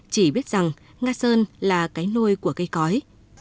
chỉ biết rằng nga sơn là cái nuôi của cây cõi